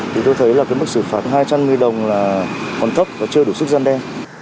thì tôi thấy là cái mức xử phạt hai trăm một mươi đồng là còn thấp và chưa đủ sức dân đe